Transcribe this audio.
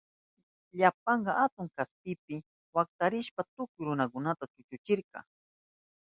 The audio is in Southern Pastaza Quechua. Ilampaka atun kaspipi waktarishpan tukuy runakunata chukchuchirka.